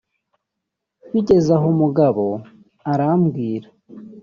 Bigeze aho umugabo arambwira